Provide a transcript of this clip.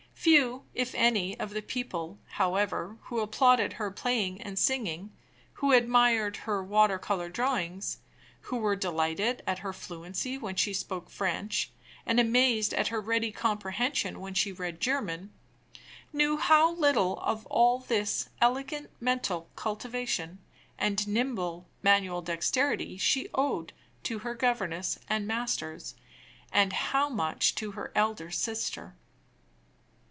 Few, if any, of the people, however, who applauded her playing and singing, who admired her water color drawings, who were delighted at her fluency when she spoke French, and amazed at her ready comprehension when she read German, knew how little of all this elegant mental cultivation and nimble manual dexterity she owed to her governess and masters, and how much to her elder sister.